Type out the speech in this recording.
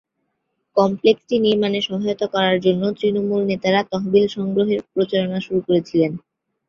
কমপ্লেক্সটি নির্মাণে সহায়তা করার জন্য তৃণমূল নেতারা তহবিল সংগ্রহের প্রচারণা শুরু করেছিলেন।